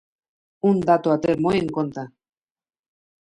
Un dato a ter moi en conta.